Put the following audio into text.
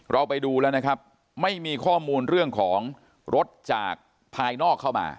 เราไปดูแล้วนะครับไม่มีข้อมูลเรื่องของรถจากภายนอกเข้ามา